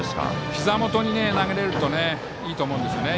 ひざ元に投げられるといいと思うんですよね。